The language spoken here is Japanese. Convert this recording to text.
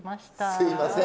すいません。